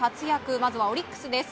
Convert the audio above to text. まずはオリックスです。